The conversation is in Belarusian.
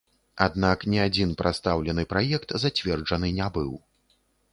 Аднак, ні адзін прадстаўлены праект зацверджаны не быў.